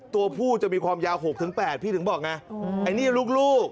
ตัวผู้จะมีความยาวหกถึงแปดพี่ถึงบอกไงอันนี้ลูกลูก